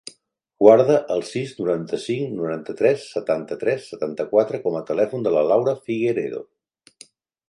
Guarda el sis, noranta-cinc, noranta-tres, setanta-tres, setanta-quatre com a telèfon de la Laura Figueredo.